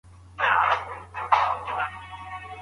په افغانستان کي شراب نه څښل کېږي.